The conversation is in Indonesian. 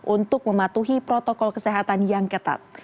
untuk mematuhi protokol kesehatan yang ketat